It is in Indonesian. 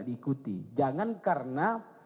diikuti jangan karena